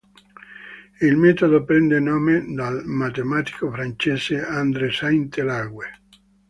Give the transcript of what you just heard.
Il metodo prende nome dal matematico francese André Sainte-Laguë.